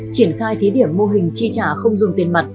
triển khai thí điểm mô hình chi trả không dùng tiền mặt